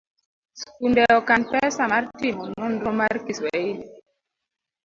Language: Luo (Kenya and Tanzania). skunde okan pesa mar timo nonro mar kiswahili.